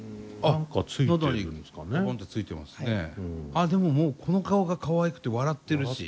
ああでももうこの顔がかわいくて笑ってるし。